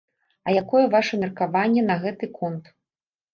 А якое ваша меркаванне на гэты конт?